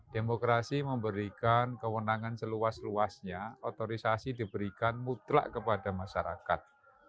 demokrasi memberikan kewenangan seluas luasnya otorisasi diberikan mutlak kepada masyarakat